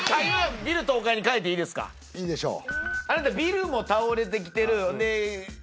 いいでしょう